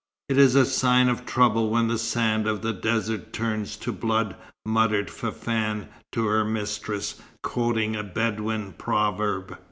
"It is a sign of trouble when the sand of the desert turns to blood," muttered Fafann to her mistress, quoting a Bedouin proverb.